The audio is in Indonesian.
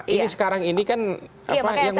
ini sekarang ini kan yang muncul persoalan nama